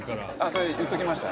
それ言っときました。